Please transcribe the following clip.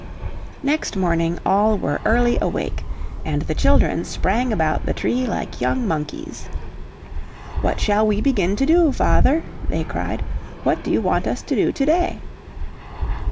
Next morning all were early awake, and the children sprang about the tree like young monkeys. "What shall we begin to do, father?" they cried. "What do you want us to do to day?"